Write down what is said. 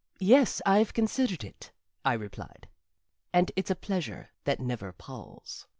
"Yes, I've considered it," I replied, "and it's a pleasure that never palls."